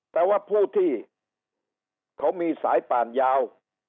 แต่ว่าผู้ที่เขามีสายป่านยาว